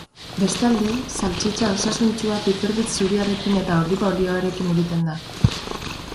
Bestalde, saltxitxa osasuntsua piperbeltz zuriarekin eta oliba-olioarekin egiten da.